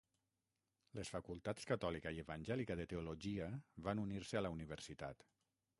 Les facultats catòlica i evangèlica de teologia van unir-se a la universitat.